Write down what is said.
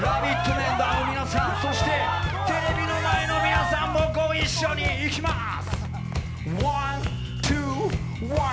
メンバーの皆さん、そしてテレビの前の皆さんもご一緒に、いきます。